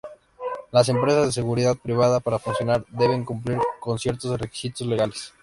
Las empresas de Seguridad Privada para funcionar deben cumplir con ciertos requisitos legales.